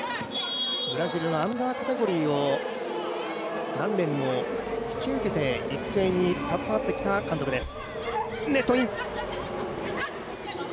ブラジルのアンダーカテゴリーを何年も引き受けて育成に携わってきた監督です。